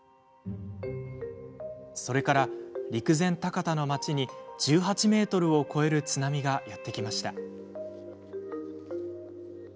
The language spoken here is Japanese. それから陸前高田の町に１８ｍを超える津波がやって来ました。